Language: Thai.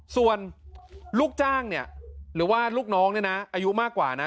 ส่วนลูกจ้างเนี่ยหรือว่าลูกน้องเนี่ยนะอายุมากกว่านะ